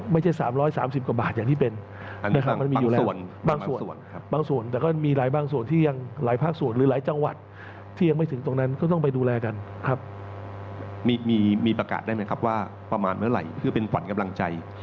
มีประกาศได้มั้ยครับว่าประมาณเมื่อไหร่เพื่อเป็นฝันกำลังใจ